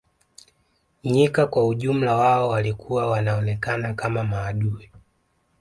Nyika kwa ujumla wao walikuwa wanaonekana kama maadui